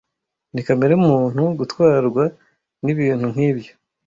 Ni kamere muntu gutwarwa nibintu nkibyo.